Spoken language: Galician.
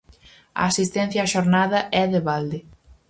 A asistencia á xornada é de balde.